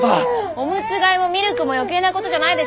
おむつ替えもミルクも余計なことじゃないでしょ。